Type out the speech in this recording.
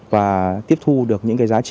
và tiếp thu được những cái giá trị